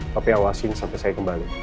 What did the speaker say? tapi awasin sampai saya kembali